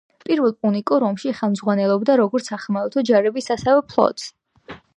პირველ პუნიკურ ომში ხელმძღვანელობდა როგორც სახმელეთო ჯარებს, ასევე ფლოტს.